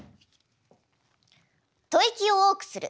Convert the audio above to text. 吐息を多くする。